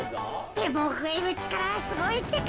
でもふえるちからはすごいってか。